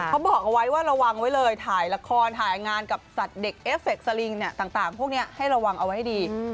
เขาบอกเอาไว้ว่าระวังไว้เลยถ่ายละครถ่ายงานกับสัตว์เด็กเอฟเฟคสลิงเนี่ยต่างพวกนี้ให้ระวังเอาไว้ให้ดี